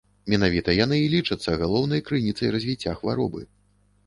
Менавіта яны і лічацца галоўнай крыніцай развіцця хваробы.